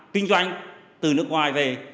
kinh doanh từ nước ngoài về